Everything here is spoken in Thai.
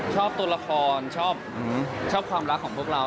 ชอบตัวละครชอบความรักของพวกเรา